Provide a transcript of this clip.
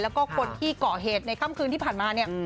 แล้วก็คนที่เกาะเหตุในค่ำคืนที่ผ่านมาเนี่ย